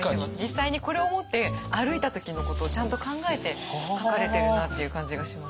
実際にこれを持って歩いた時のことをちゃんと考えて描かれてるなっていう感じがします。